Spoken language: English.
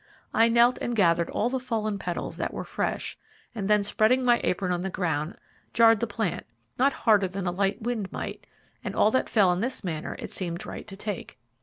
I knelt and gathered all the fallen petals that were fresh, and then spreading my apron on the ground, jarred the plant, not harder than a light wind might, and all that fell in this manner it seemed right to take.